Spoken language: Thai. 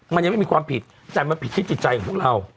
มันยังไม่มีความผิดแต่มันผิดคิดจิตใจของพวกเรา